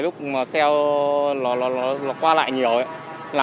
lúc mà xe nó qua lại như thế này